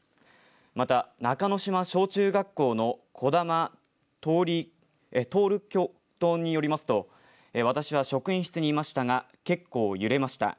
また中之島小中学校の児玉徹教頭によりますと私は職員室にいましたが結構揺れました。